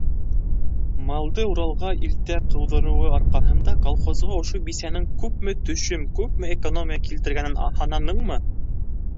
Малды Уралға иртә ҡыуҙырыуы арҡаһында колхозға ошо бисәнең күпме төшөм, күпме экономия килтергәнен һананыңмы?